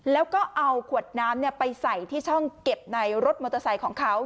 แล้วก็เอาขวดน้ำไปใส่ที่ช่องเก็บในรถมอเตอร์ไซค์ของเขา